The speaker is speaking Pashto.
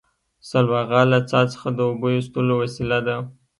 سلواغه له څا څخه د اوبو ایستلو وسیله ده